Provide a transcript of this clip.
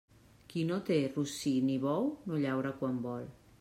Qui no té rossí ni bou, no llaura quan vol.